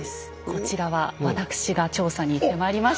こちらはわたくしが調査に行ってまいりました！